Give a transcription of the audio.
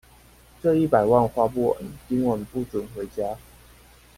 這一百萬花不完，今晚不准回家